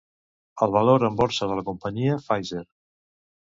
El valor en borsa de la companyia Pfizer.